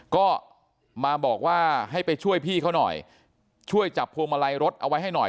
ก็มาบอกว่าให้ไปช่วยพี่เขาหน่อยช่วยจับพวงมาลัยรถเอาไว้ให้หน่อย